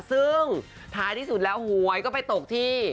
ซึ่งท้ายที่สุดแล้วหวยก็ไปตกที่